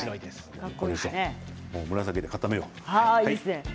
紫で固めよう。